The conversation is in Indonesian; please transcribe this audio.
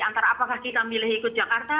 antara apakah kita milih ikut jakarta